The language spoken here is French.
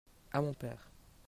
à mon père.